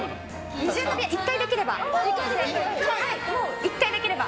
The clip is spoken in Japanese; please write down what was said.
二重跳びは１回できれば。